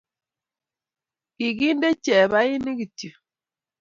kikinde chapainik kityo